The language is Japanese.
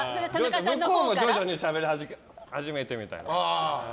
向こうが徐々にしゃべり始めてみたいな。